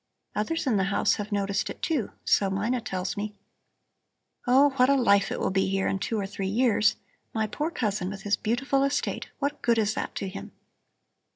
Others in the house have noticed it, too, so Mina tells me. Oh, what a life it will be here in two or three years. My poor cousin with his beautiful estate! What good is that to him?"